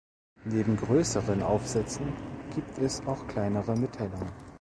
Neben größeren Aufsätzen gibt es auch kleinere Mitteilungen.